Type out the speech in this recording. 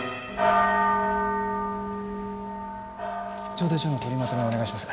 協定書の取りまとめお願いします。